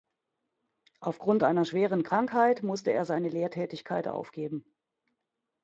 Aufgrund einer schweren Krankheit musste er seine Lehrtätigkeit aufgeben.